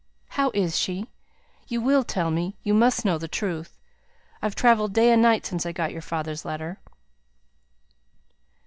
"How is she? You will tell me you must know the truth! I've travelled day and night since I got your father's letter."